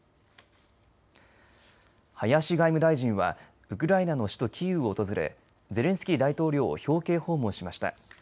林外務大臣はウクライナの首都キーウを訪れゼレンスキー大統領を表敬訪問しました。